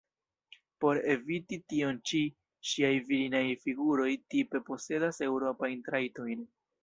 Por eviti tion ĉi, ŝiaj virinaj figuroj tipe posedas eŭropajn trajtojn.